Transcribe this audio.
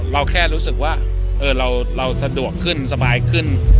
เราแค่รู้สึกว่าเราสะดวกขึ้นสบายขึ้น